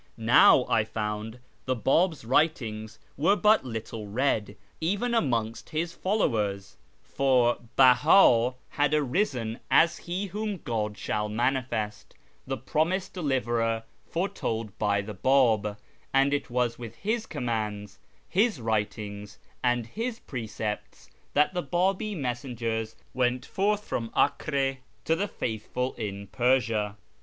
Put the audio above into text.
Now, I found, the Bab's writings were but little read even amongst his followers, for Beha had arisen as I _k SHIRAZ 301 "He whom God shall manifest" (the j)romised deliverer fore told by the Bab), and it was with his commands, his writings, and his precepts that the Babi messengers went forth from Acre to the faithful in Persia.